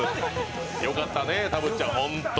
よかったね、たぶっちゃん、本当に。